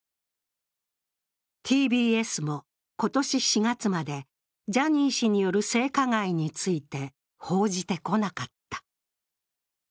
ＴＢＳも今年４月まで、ジャニー氏による性加害について報じてこなかった。